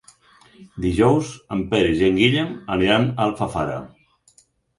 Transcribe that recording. Dijous en Peris i en Guillem aniran a Alfafara.